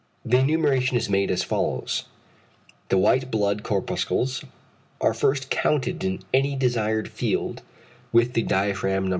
The enumeration is made as follows. The white blood corpuscles are first counted in any desired field with the diaphragm no.